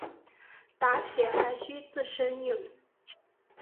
打铁还需自身硬。